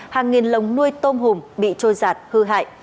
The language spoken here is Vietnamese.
hàng nghìn lồng nuôi tôm hùm bị trôi giạt hư hại